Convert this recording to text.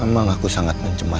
mana mereka berdua